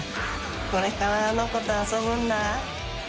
これからあの子と遊ぶんだ。